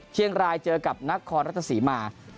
เชียงรายเจอกับนักคอร์รัฐศรีมา